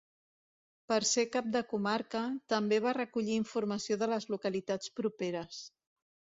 Per ser cap de comarca, també va recollir informació de les localitats properes.